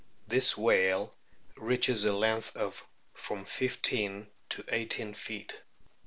This whale reaches a length of from fifteen to eighteen feet.